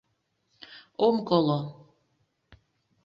— Ом коло...